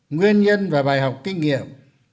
nguyên nhân và bài học kinh nghiệm